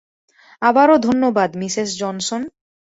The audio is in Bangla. আবারো ধন্যবাদ, মিসেস জনসন।